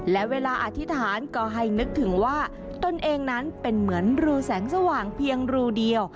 และเวลาอธิษฐานก็ให้นึกถึงว่าตนเองนั้นเป็นเหมือนรูแสงสว่างเพียงรูเดียว